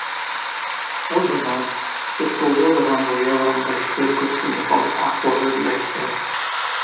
Fodd bynnag, gwrthododd y rhan fwyaf o'r ymgeiswyr gwrthwynebol a etholwyd i eistedd.